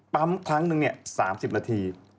ปั๊มครั้งนึง๓๐นาที